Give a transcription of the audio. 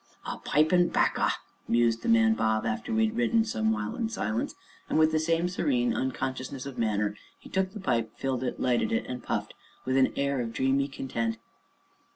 "A pipe and 'bacca!" mused the man Bob, after we had ridden some while in silence, and, with the same serene unconsciousness of manner, he took the pipe, filled it, lighted it, and puffed with an air of dreamy content.